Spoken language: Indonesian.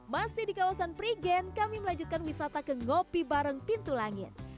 masih di kawasan prigen kami melanjutkan wisata ke ngopi bareng pintu langit